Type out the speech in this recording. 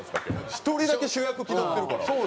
一人だけ主役気取ってるから。